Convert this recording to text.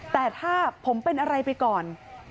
แต่ถ้าผมเป็นอะไรไปก่อน